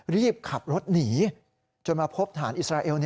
รีบขับรถหนีจนมาพบฐานอิสราเอล